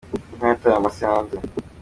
Inka yataye amase hanze.